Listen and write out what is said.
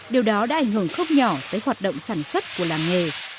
điều đó đã ảnh hưởng không nhỏ tới hoạt động sản xuất của làng nghề